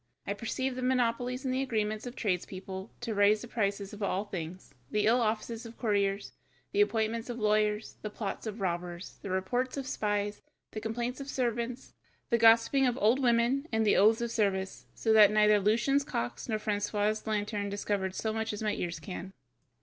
I perceive the monopolies and the agreements of tradespeople to raise the prices of all things, the ill offices of courtiers, the appointments of lawyers, the plots of robbers, the reports of spies, the complaints of servants, the gossiping of old women, and the oaths of service, so that neither Lucian's cocks nor Francois's lantern discovered so much as my ears can."